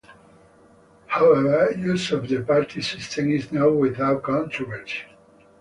However, use of the party system is not without controversy.